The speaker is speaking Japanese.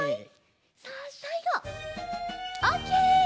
さあさいごオッケー！